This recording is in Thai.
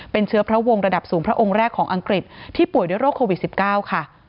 เป็นเชื้อพระวงระดับสูงพระองค์แรกของอังกฤษที่ป่วยด้วยโรคโควิด๑๙ค่ะ